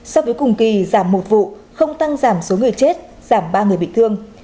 so với cùng kỳ giảm một vụ không tăng giảm số người chết giảm ba người bị thương